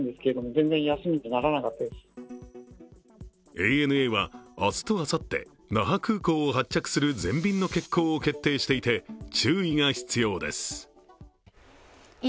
ＡＮＡは明日とあさって那覇空港を発着する全便の欠航を決定していて注意が必要です。